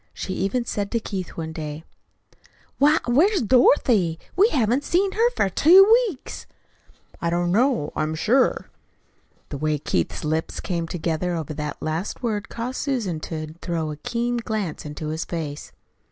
She even said to Keith one day: "Why, where's Dorothy? We haven't see her for two weeks." "I don't know, I'm sure." The way Keith's lips came together over the last word caused Susan to throw a keen glance into his face.